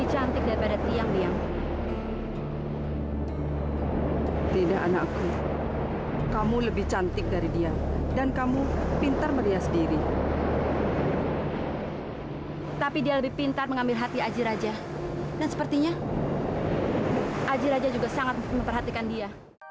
sampai jumpa di video selanjutnya